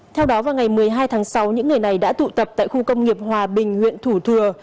theo đó vào ngày một mươi hai tháng sáu những người này đã tụ tập tại khu công nghiệp hòa bình huyện thủ thừa